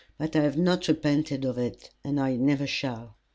But I have not repented of it, and I never shall.